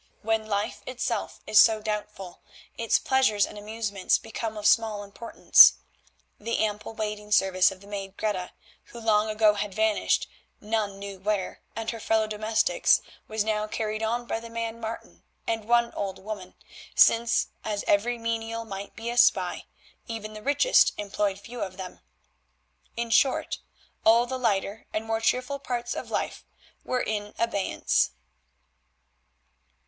When life itself is so doubtful, its pleasures and amusements become of small importance. The ample waiting service of the maid Greta, who long ago had vanished none knew where, and her fellow domestics was now carried on by the man, Martin, and one old woman, since, as every menial might be a spy, even the richest employed few of them. In short all the lighter and more cheerful parts of life were in abeyance.